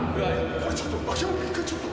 これ、ちょっと。